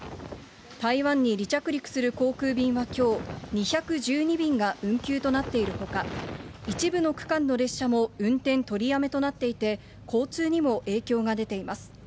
台湾に離着陸する航空便はきょう、２１２便が運休となっているほか、一部の区間の列車も運転取りやめとなっていて、交通にも影響が出ています。